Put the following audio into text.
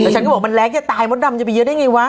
ฉันก็บอกมันแรงจะตายมดดำจะไปเยอะได้ไงวะ